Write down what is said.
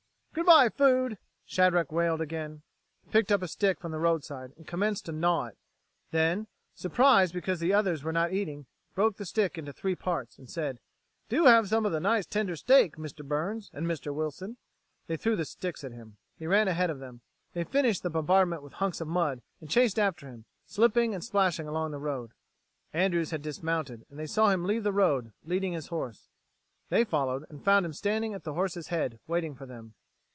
"Good by, food," Shadrack wailed again. He picked up a stick from the roadside and commenced to gnaw it; then, surprised because the others were not eating, he broke the stick in three parts, and said: "Do have some of the nice tender steak, Mr. Burns and Mr. Wilson." They threw the sticks at him. He ran ahead of them. They finished the bombardment with hunks of mud, and chased after him, slipping and splashing along the road. Andrews had dismounted, and they saw him leave the road, leading his horse. They followed, and found him standing at the horse's head, waiting for them.